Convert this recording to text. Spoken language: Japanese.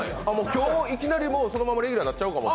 今日いきなりそのままレギュラーになっちゃうかも。